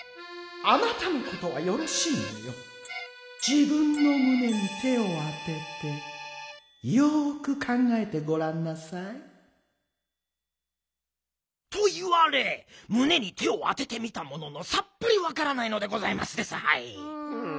じぶんのむねに手をあててよくかんがえてごらんなさい」。といわれむねに手をあててみたもののさっぱりわからないのでございますですはい。